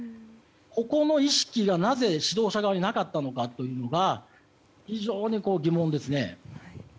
ここの意識がなぜ指導者側になかったのかというのが非常に疑問ですね。